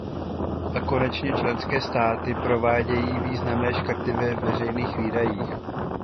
A konečně, členské státy provádějí výrazné škrty ve veřejných výdajích.